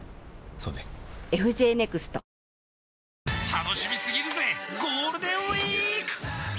たのしみすぎるぜゴールデーンウィーーーーーク！